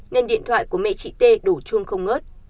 nên điện thoại của mẹ chị tê đổ chuông không ngớt